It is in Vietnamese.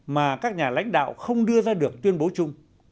mà các nhà lãnh đạo không đưa ra được tuyên bố chung